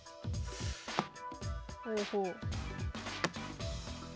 ほうほう。